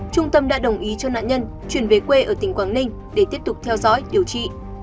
trung tâm đã đồng ý cho nạn nhân chuyển về quê ở tỉnh quảng ninh để tiếp tục theo dõi điều trị